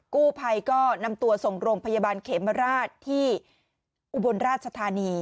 กู้ภัยก็นำตัวส่งโรงพยาบาลเขมราชที่อุบลราชธานี